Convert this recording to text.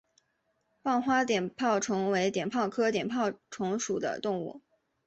棒花碘泡虫为碘泡科碘泡虫属的动物。